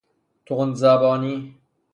تندزبانی